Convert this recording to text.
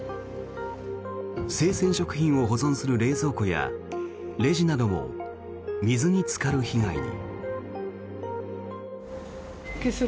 生鮮食品を保存する冷蔵庫やレジなども水につかる被害に。